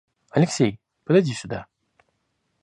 Алексей, подойди сюда.